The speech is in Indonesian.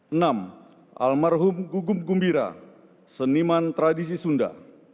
enam almarhum gugum gumbira seniman tradisi sunda